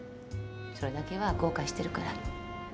それだけは後悔してるから。